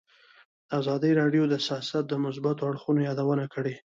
ازادي راډیو د سیاست د مثبتو اړخونو یادونه کړې.